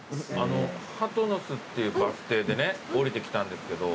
鳩の巣っていうバス停でね降りてきたんですけど。